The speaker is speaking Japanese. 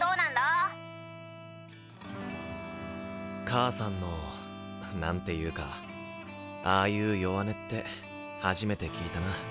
母さんの何て言うかああいう弱音って初めて聞いたな。